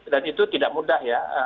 dan itu tidak mudah ya